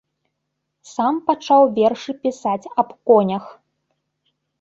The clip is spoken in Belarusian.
Сам пачаў вершы пісаць аб конях.